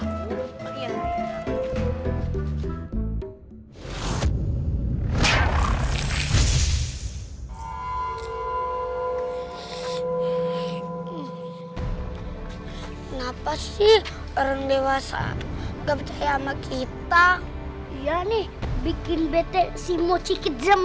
kenapa sih orang dewasa nggak percaya sama kita ya nih bikin bete si moci kejam